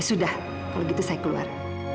sudah kalau gitu saya keluar